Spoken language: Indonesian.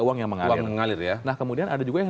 uang yang mengalir nah kemudian ada juga yang